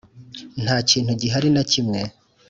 Nta kintu gihari nakimwe.